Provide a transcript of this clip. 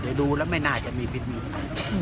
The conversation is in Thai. แต่ดูแล้วไม่น่าจะมีพิษมีภัย